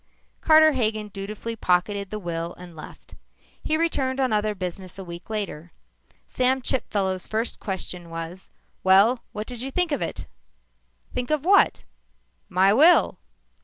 Carter Hagen dutifully pocketed the will and left. He returned on other business a week later. Sam Chipfellow's first question was, "Well, what did you think of it?" "Think of what?" "My will."